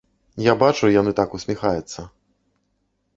Я бачу, яны так усміхаюцца.